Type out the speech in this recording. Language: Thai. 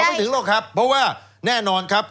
ไม่ถึงหรอกครับเพราะว่าแน่นอนครับ